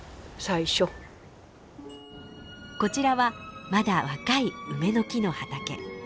こちらはまだ若い梅の木の畑。